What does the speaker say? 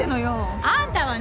あんたはね